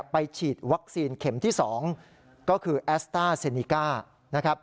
ไปฉีดวัคซีนเข็มที่๒ก็คือแอสต้าเซนิกา